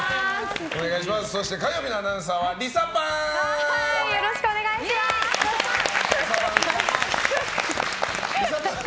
そして火曜日のアナウンサーはリサパン。